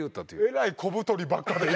えらい小太りばっかで。